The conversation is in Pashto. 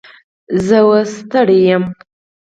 زه اوس ستړی یم